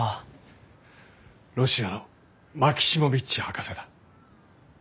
ロシアのマキシモヴィッチ博士だ。